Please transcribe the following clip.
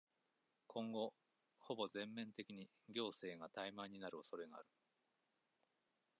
今後、ほぼ全面的に、行政が怠慢になる恐れがある。